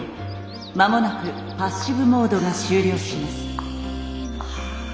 間もなくパッシブモードが終了します」。